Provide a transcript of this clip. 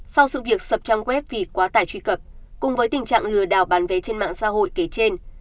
sau sự việc sập trang web vì quá tải truy cập cùng với tình trạng lừa đảo bán vé trên mạng xã hội kể trên